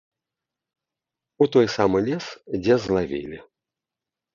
У той самы лес, дзе злавілі.